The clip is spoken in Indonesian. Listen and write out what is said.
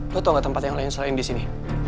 lo tau gak tempat yang lain selain disini